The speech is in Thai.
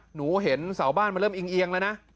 หนูเห็นเสาบ้านมันเริ่มอิงเอียงแล้วนะ